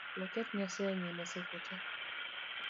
Waket Nyasaye nyime seche tee